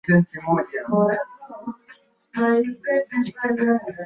Leo nashukuru Mola kwa nafasi ya uhai.